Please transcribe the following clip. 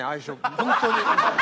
本当に。